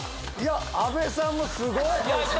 阿部さんもすごい！